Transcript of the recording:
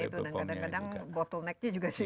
dan kadang kadang bottlenecknya juga